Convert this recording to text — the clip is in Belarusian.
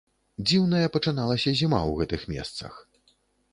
Дзіўная пачыналася зіма ў гэтых месцах.